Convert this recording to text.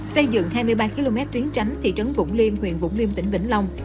xây dựng hai mươi ba km tuyến tránh thị trấn vũng liêm huyện vũng liêm tỉnh vĩnh long